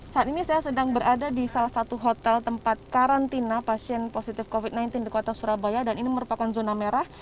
saat ini saya sedang berada di salah satu hotel tempat karantina pasien positif covid sembilan belas di kota surabaya dan ini merupakan zona merah